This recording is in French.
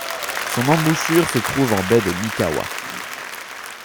Son embouchure se trouve en baie de Mikawa.